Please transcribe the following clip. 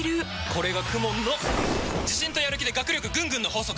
これがＫＵＭＯＮの自信とやる気で学力ぐんぐんの法則！